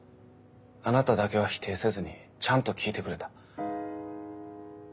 あなただけは否定せずにちゃんと聞いてくれた。